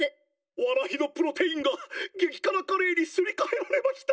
「わたしのプロテインがげきからカレーにすりかえられました！」。